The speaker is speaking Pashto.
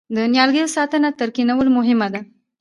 د نیالګي ساتنه تر کینولو مهمه ده؟